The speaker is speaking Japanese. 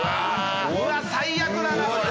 うわっ最悪だなこれ！